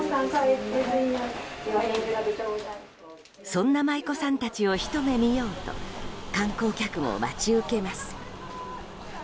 そんな舞妓さんたちをひと目見ようと観光客も待ち受けます。